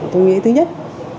tôi nghĩ thứ nhất